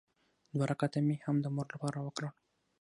دوه رکعته مې هم د مور لپاره وکړل.